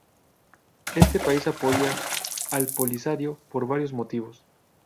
Este país apoya al Polisario por varios motivos.